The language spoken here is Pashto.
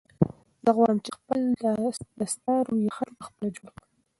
زه غواړم چې خپل د ستارو یخن په خپله جوړ کړم.